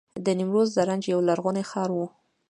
د نیمروز زرنج یو لرغونی ښار و